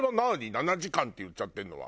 「７時間」って言っちゃってるのは。